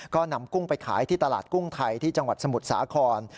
ก็นำกุ้งไปขายที่ตลาดกุ้งไทยที่จังหวัดสมุทรสาคร